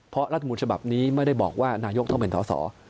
เพราะรัฐมนต์ฉบับนี้ไม่ได้บอกว่านายกต้องเป็นสอสอ